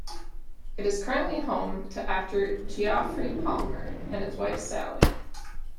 It is currently home to actor Geoffrey Palmer, and his wife Sally.